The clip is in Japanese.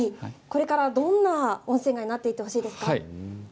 これからどんな温泉街になっていってほしいですか。